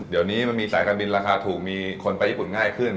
เดี๋ยวนี้มันมีสายการบินราคาถูกมีคนไปญี่ปุ่นง่ายขึ้น